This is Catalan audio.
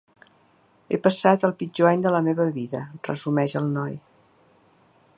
He passat el pitjor any de la meva vida, resumeix el noi.